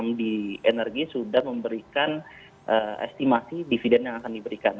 dan beberapa saham saham di energi sudah memberikan estimasi dividen yang akan diberikan